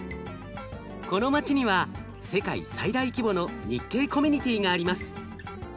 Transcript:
この街には世界最大規模の日系コミュニティーがあります。